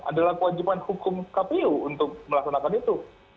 adalah kewajiban hukum kpu untuk melaksanakan itu